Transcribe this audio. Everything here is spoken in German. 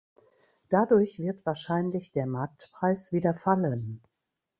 Dadurch wird wahrscheinlich der Marktpreis wieder fallen.